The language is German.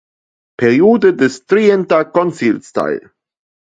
Periode des Trienter Konzils teil.